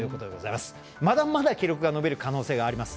まだまだ記録が伸びる可能性があります。